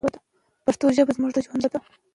پښتو ژبه زموږ د ژوند ژبه ده.